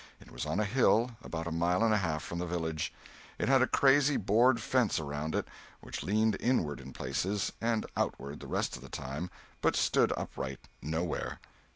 It was on a hill, about a mile and a half from the village. It had a crazy board fence around it, which leaned inward in places, and outward the rest of the time, but stood upright nowhere.